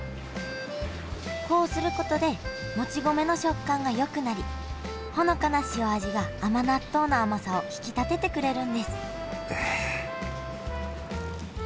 こうすることでもち米の食感がよくなりほのかな塩味が甘納豆の甘さを引き立ててくれるんです